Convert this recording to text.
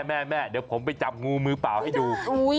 แม่เดี๋ยวผมไปจับงูมือเปล่าให้ดู